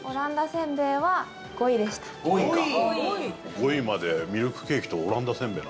５位までミルクケーキとオランダせんべい。